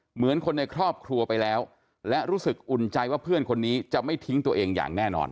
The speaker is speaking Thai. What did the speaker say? เหมือนคนในครอบครัวไปแล้วและรู้สึกอุ่นใจว่าเพื่อนคนนี้จะไม่ทิ้งตัวเองอย่างแน่นอน